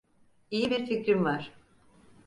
İyi bir fikrim var.